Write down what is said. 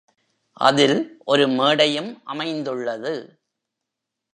அதில் ஒரு மேடையும் அமைந்துள்ளது.